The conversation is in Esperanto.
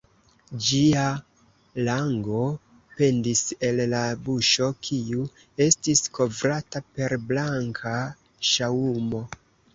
Ĝia lango pendis el la buŝo, kiu estis kovrata per blanka ŝaŭmo.